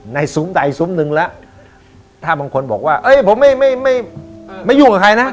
ซุ้มใดซุ้มหนึ่งแล้วถ้าบางคนบอกว่าเอ้ยผมไม่ไม่ยุ่งกับใครนะ